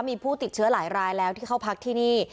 มีผู้ติดเชื้อหลายรายแล้วที่เข้าพักที่นี่